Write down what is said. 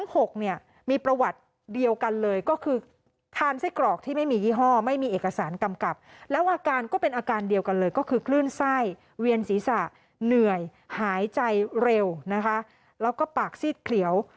ไห้เวียนศีรษะเหนื่อยหายใจเร็วนะคะแล้วก็ปากซีดเขียว